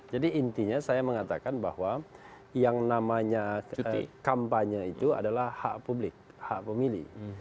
jadi intinya saya mengatakan bahwa yang namanya kampanye itu adalah hak publik hak pemilih